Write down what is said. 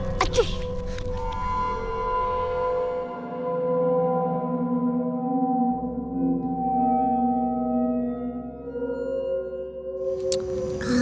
gak ada apa apa